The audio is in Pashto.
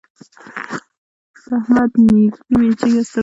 د احمد نېکي مې جګه سترګو ته ودرېده.